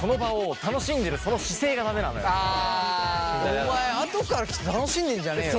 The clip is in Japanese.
お前後から来て楽しんでんじゃねよ！